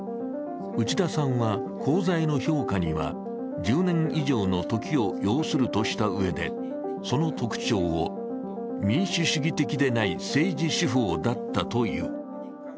内田さんは、功罪の評価には１０年以上の時を要するとしたうえで、その特徴を民主主義的でない政治手法だったという。